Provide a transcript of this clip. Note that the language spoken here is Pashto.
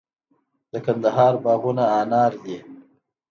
د کندهار باغونه انار دي